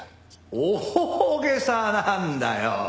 大げさなんだよ。